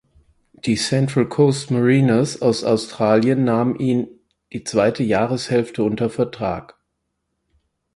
Die Central Coast Mariners aus Australien nahmen ihn die zweite Jahreshälfte unter Vertrag.